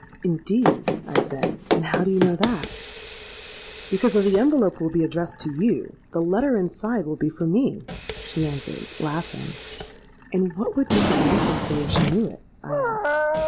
'—'Indeed!' I said; 'and how do you know that?'—'Because, though the envelope will be addressed to you, the letter inside will be for me,' she answered, laughing.—'And what would Mrs. Lambkin say if she knew it?' I asked.